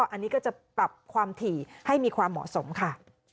อันนี้ก็จะปรับความถี่ให้มีความเหมาะสมค่ะ